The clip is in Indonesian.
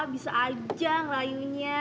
bisa aja ngerayunya